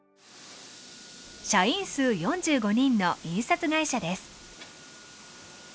社員数４５人の印刷会社です。